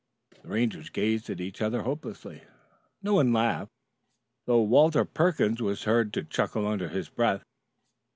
The Rangers gazed at each other hopelessly. No one laughed, though Walter Perkins was heard to chuckle under his breath.